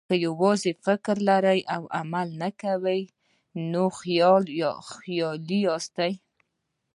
که یوازې فکر لرئ او عمل نه کوئ، نو خیالي یاست.